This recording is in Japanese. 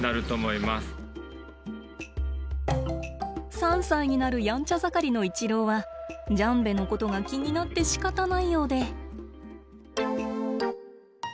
３歳になるやんちゃ盛りのイチローはジャンベのことが気になってしかたないようで。